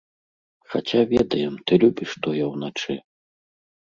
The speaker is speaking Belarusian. Хаця ведаем, ты любіш тое ўначы.